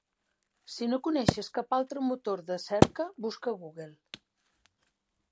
Si no coneixes cap altre motor de cerca, busca a Google.